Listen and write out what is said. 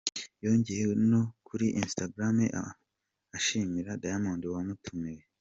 Yongeye no kuri Instagram ashimira Diamond wamutumiye.